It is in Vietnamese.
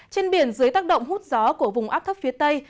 trên biển dưới tác động hút gió của vùng áp thấp phía tây